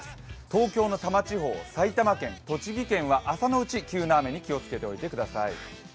東京の多摩地方、埼玉県、栃木県は朝のうち、急な雨に気をつけてください。